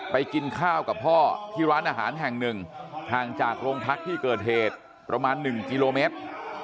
กินข้าวกับพ่อที่ร้านอาหารแห่งหนึ่งห่างจากโรงพักที่เกิดเหตุประมาณ๑กิโลเมตร